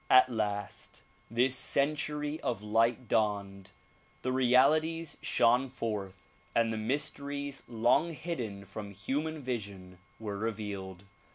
At last this century of light dawned, the realities shone forth and the mysteries long hidden from human vision were re vealed.